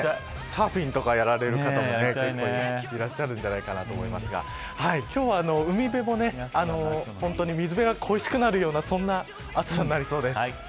サーフィンとかをやられる方も結構いらっしゃるんじゃないかなと思いますが今日は海辺も水辺が恋しくなるようなそんな暑さになりそうです。